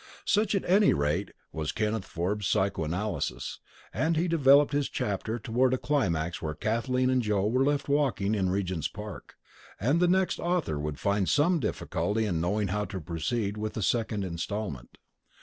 Such at any rate was Kenneth Forbes's psycho analysis, and he developed his chapter toward a climax where Kathleen and Joe were left walking in Regent's Park, and the next author would find some difficulty in knowing how to proceed with the second instalment.